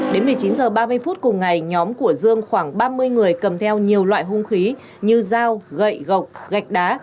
đến một mươi chín h ba mươi phút cùng ngày nhóm của dương khoảng ba mươi người cầm theo nhiều loại hung khí như dao gậy gộc gạch đá